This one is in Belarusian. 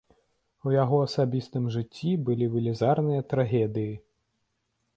У яго асабістым жыцці былі велізарныя трагедыі.